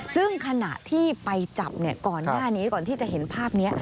ซึ่งขณะที่ไปจับก่อนหน้านี้ก่อนที่จะเห็นภาพนี้